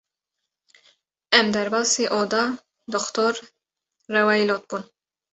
Em derbasî oda Dr. Rweylot bûn.